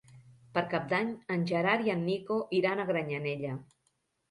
Per Cap d'Any en Gerard i en Nico iran a Granyanella.